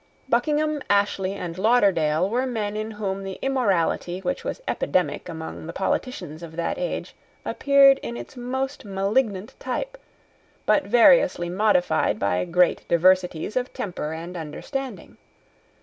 Buckingham, Ashley, and Lauderdale were men in whom the immorality which was epidemic among the politicians of that age appeared in its most malignant type, but variously modified by greet diversities of temper and understanding.